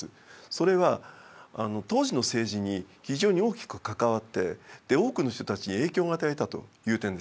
それは当時の政治に非常に大きく関わって多くの人たちに影響を与えたという点ですね。